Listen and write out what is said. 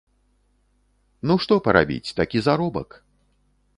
Ну што парабіць, такі заробак!